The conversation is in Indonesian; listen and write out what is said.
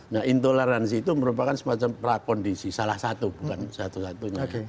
nah intoleransi itu merupakan semacam prakondisi salah satu bukan satu satunya